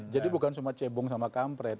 jadi bukan cuma cebong sama kampret